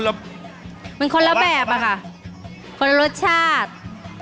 แล้วมันคนละแบบอะค่ะคนละรสชาติ